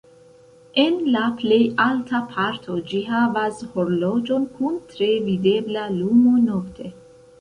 En la plej alta parto ĝi havas horloĝon kun tre videbla lumo nokte.